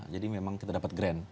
jadi memang kita dapat grant